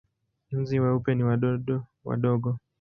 Nzi weupe ni wadudu wadogo.